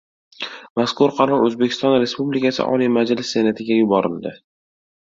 Mazkur qaror O‘zbekiston Respublikasi Oliy Majlis Senatiga yuborildi